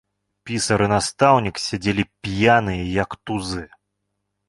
Пісар і настаўнік сядзелі п'яныя, як тузы.